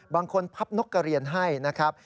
บางคนพับนกกระเรียนให้นะครับ